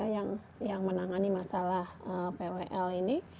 yang menangani masalah pwl ini